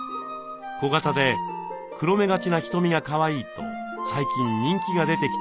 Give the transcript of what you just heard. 小型で黒目がちな瞳がかわいいと最近人気が出てきているそうです。